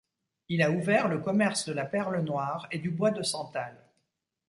Il a ouvert le commerce de la perle noire et du bois de santal.